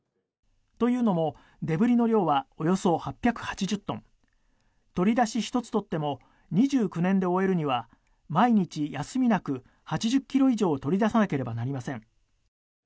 というのもデブリの量はおよそ８８０トン取り出し一つとっても２９年で終えるには毎日、休みなく８０ｋｇ以上取り出さなければなりません。